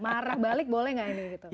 marah balik boleh gak nih